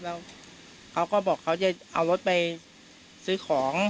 แล้วเขาก็บอกเขาจะเอารถไปซื้อของ